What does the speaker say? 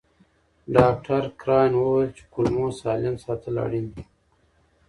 ډاکټر کرایان وویل چې کولمو سالم ساتل اړین دي.